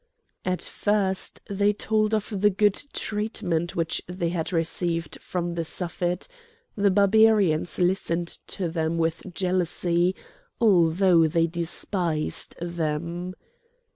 At first they told of the good treatment which they had received from the Suffet; the Barbarians listened to them with jealousy although they despised them.